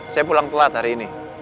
saya pulang telat hari ini